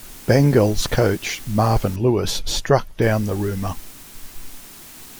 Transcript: Bengals coach Marvin Lewis struck down the rumor.